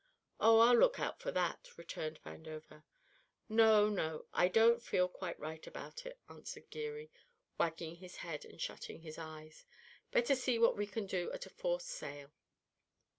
"Oh, I'll look out for that," returned Vandover. "No, no, I don't feel quite right about it," answered Geary, wagging his head and shutting his eyes. "Better see what we can do at a forced sale."